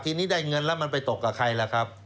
ทีนี้ได้เงินแล้วมันไปตกกับใครล่ะครับ